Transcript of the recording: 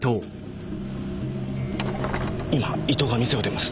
今伊藤が店を出ます。